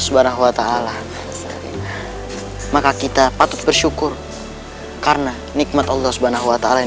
subhanahu wa ta'ala maka kita patut bersyukur karena nikmat allah subhanahu wa ta'ala yang